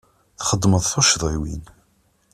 Txedmeḍ tuccḍiwin.